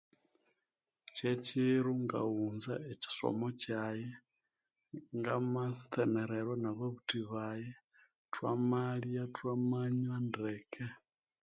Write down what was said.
Ekye kyiro ngaghunza ekyisomo kyaghe ngamatsemererwa na babuthi baghe thwamalya thwamanywa ndeke